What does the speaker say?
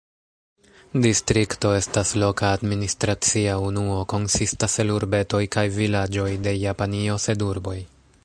Distrikto estas loka administracia unuo konsistas el urbetoj kaj vilaĝoj de Japanio sed urboj.